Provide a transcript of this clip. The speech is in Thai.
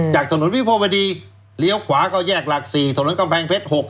จากถนนวิภาวดีเลี้ยวขวาก็แยกหลัก๔ถนนกำแพงเพชร๖